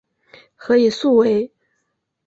何以速为。